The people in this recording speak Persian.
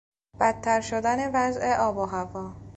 بدتر شدن وضع آب و هوا